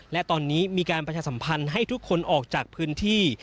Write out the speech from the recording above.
และตอนนี้มีการประชาสัมพันธ์ให้ทุกคนออกจากพื้นที่